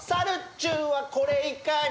ちゅんはこれいかに？